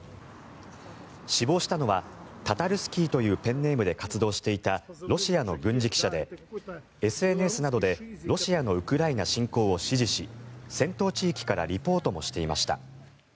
死亡したのはタタルスキーというペンネームで活動していたロシアの軍事記者でＳＮＳなどでロシアのウクライナ侵攻を支持し戦闘地域からリポートもしていました。